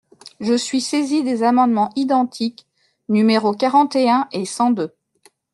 Je suis saisie des amendements identiques numéros quarante et un et cent deux.